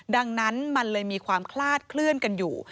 ดังนั้นมันเลยมีความคลาดเคลื่อนกันอยู่